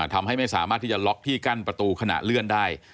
ทำให้ไม่สามารถที่จะล็อกที่กั้นประตูขณะเลื่อนได้